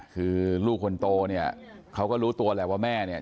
คือลูกคนโตเนี่ยเขาก็รู้ตัวแหละว่าแม่เนี่ย